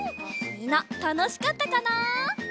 みんなたのしかったかな？